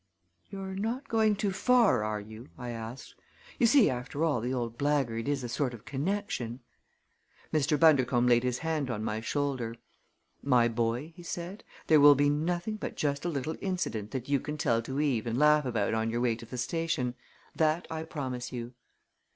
"You're not going too far, are you?" I asked. "You see, after all, the old blackguard is a sort of connection." Mr. Bundercombe laid his hand on my shoulder. "My boy," he said, "there will be nothing but just a little incident that you can tell to Eve and laugh about on your way to the station. That I promise you."